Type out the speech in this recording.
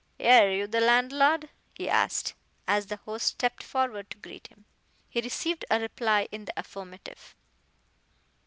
"Air you the landlord?" he asked, as the host stepped forward to greet him. He received a reply in the affirmative.